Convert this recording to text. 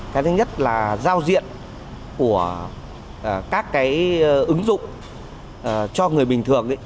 cái thứ nhất là giao diện của các cái ứng dụng cho người bình thường